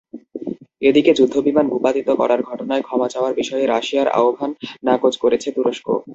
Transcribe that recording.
এদিকে যুদ্ধবিমান ভূপাতিত করার ঘটনায় ক্ষমা চাওয়ার বিষয়ে রাশিয়ার আহ্বান নাকচ করেছে তুরস্ক।